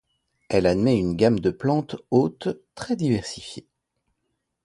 Elle admet une gamme de plantes hôtes très diversifiée.